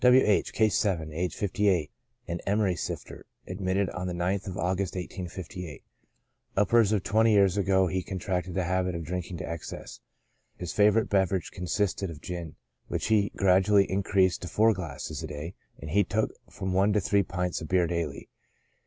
W. H —, (Case 7,) aged 58, an emery sifter ; admitted on the 9th of August, 1858. Upwards of twenty years ago he contracted the habit of drinking to excess. His favorite beverage consisted of gin, which he gradually increased to four glasses a day, and he took from one to three pints of beer daily.